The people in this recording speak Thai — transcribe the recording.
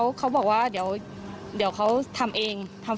เขาบอกว่าเดี๋ยวเขาทำเอง